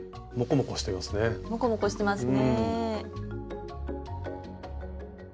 モコモコしてますね。